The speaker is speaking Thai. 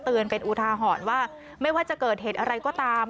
เป็นอุทาหรณ์ว่าไม่ว่าจะเกิดเหตุอะไรก็ตาม